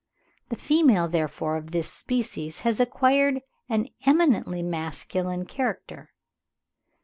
The female therefore of this species has acquired an eminently masculine character.